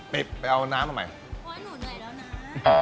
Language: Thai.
เพราะว่าหนูเหนื่อยแล้วนะ